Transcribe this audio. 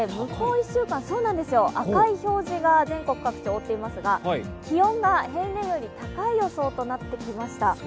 １週間、赤い表示が全国各地覆っていますが気温が平年より高い予想となってきました。